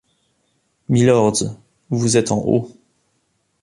Mylords, vous êtes en haut.